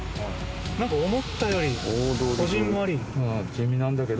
なんか思ったよりこぢんまり。